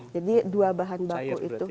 jadi dua bahan baku itu